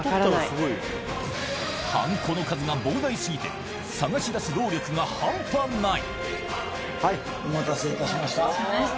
はんこの数が膨大過ぎて探し出す労力が半端ない